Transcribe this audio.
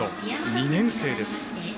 ２年生です。